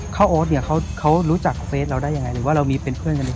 โอ๊ตเนี่ยเขารู้จักเฟสเราได้ยังไงหรือว่าเรามีเป็นเพื่อนกันดี